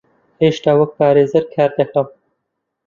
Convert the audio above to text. هێشتا وەک پارێزەر کار دەکەم.